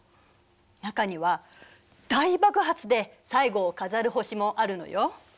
中には大爆発で最後を飾る星もあるのよ。